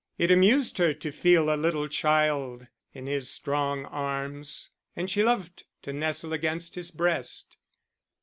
It amused her to feel a little child in his strong arms, and she loved to nestle against his breast.